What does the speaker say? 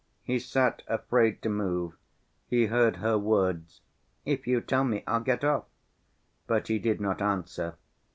He sat afraid to move, he heard her words, "If you tell me, I'll get off," but he did not answer.